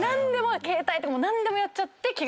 携帯でも何でもやっちゃって。